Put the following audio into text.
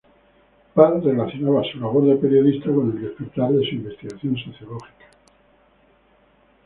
Park relacionaba su labor de periodista con el despertar de su investigación sociológica.